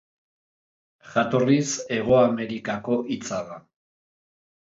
Jatorriz, Hego Amerikako hitza da.